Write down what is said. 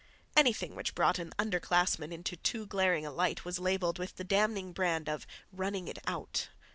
Anything which brought an under classman into too glaring a light was labelled with the damning brand of "running it out."